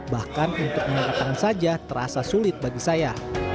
bahkan untuk menangkap tangan saja terasa sulit bagi saya